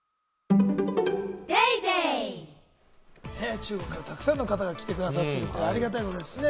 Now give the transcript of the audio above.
中国からたくさんの方々来てくださってありがたいことですね。